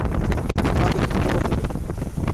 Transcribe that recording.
মাকে কি জবাব দেব?